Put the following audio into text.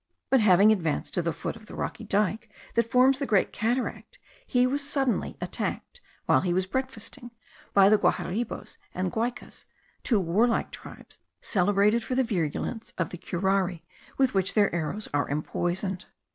but having advanced to the foot of the rocky dike that forms the great cataract, he was suddenly attacked, while he was breakfasting, by the Guaharibos and Guaycas, two warlike tribes, celebrated for the virulence of the curare with which their arrows are empoisoned.